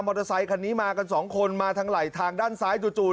เตอร์ไซคันนี้มากันสองคนมาทางไหลทางด้านซ้ายจู่